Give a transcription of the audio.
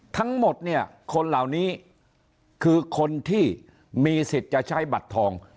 ทั้งหมดเนี่ยคนเหล่านี้คือคนที่มีสิทธิ์จะใช้บัตรทอง